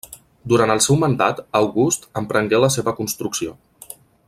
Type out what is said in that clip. Durant el seu mandat, August emprengué la seva construcció.